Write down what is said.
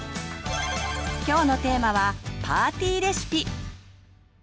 今日のテーマは「パーティーレシピ」。